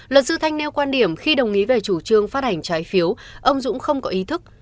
luật sư thanh nêu quan điểm khi đồng ý về chủ trương phát hành trái phiếu ông dũng không có ý thức